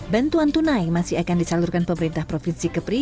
bantuan tunai masih akan disalurkan pemerintah provinsi kepri